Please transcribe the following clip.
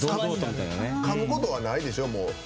かむことはないでしょ？